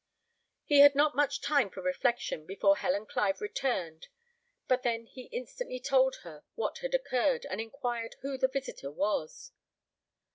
He had not much time for reflection before Helen Clive returned; but then he instantly told her what had occurred, and inquired who the visitor was.